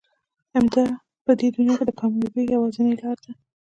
همدا په دنيا کې د کاميابي يوازنۍ لاره ده.